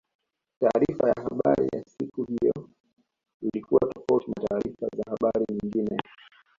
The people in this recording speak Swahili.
taarifa ya habari ya siku hiyo ilikuwa tofauti na taarifa za habari nyingine